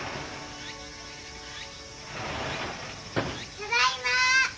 ・ただいま！